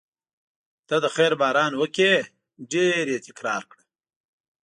ته د خیر باران وکړې ډېر یې تکرار کړه.